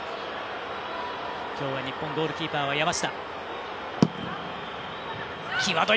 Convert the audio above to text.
きょうは日本ゴールキーパーは山下。